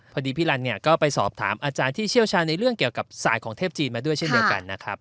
พอดีพี่ลันเนี่ยก็ไปสอบถามอาจารย์ที่เชี่ยวชาญในเรื่องเกี่ยวกับสายของเทพจีนมาด้วยเช่นเดียวกันนะครับ